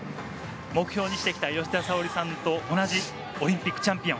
目標にしてきた吉田沙保里さんと同じオリンピックチャンピオン。